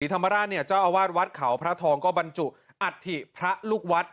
ธรรมราชเนี่ยเจ้าอาวาสวัดเขาพระทองก็บรรจุอัฐิพระลูกวัด